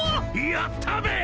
やったべ！